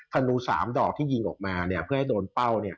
ธนู๓ดอกที่ยิงออกมาเพื่อให้โดนเป้า